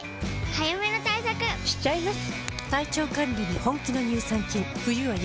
早めの対策しちゃいます。